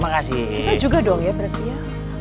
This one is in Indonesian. makasih kita juga dong ya berarti ya